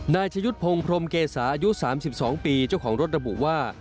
ชะยุทธ์พงศ์พรมเกษาอายุ๓๒ปีเจ้าของรถระบุว่า